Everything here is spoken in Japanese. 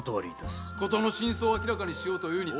事の真相を明らかにしようというに。